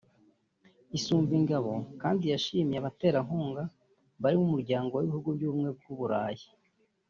Isumbingabo kandi yashimiye abaterankunga barimo Umuryango w’Ibihugu by’Ubumwe bw’u Burayi